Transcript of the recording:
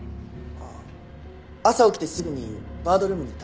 あっ朝起きてすぐにバードルームに行ったんで。